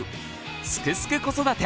「すくすく子育て」